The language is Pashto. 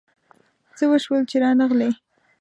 څه وشول چي رانغلې ؟